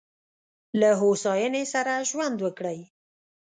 له هوساینې سره ژوند وکړئ.